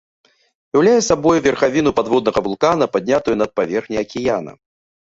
Уяўляе сабой верхавіну падводнага вулкана, паднятую над паверхняй акіяна.